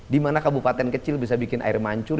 di mana kabupaten kecil bisa bikin air mancur